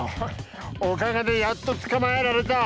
おかげでやっとつかまえられた。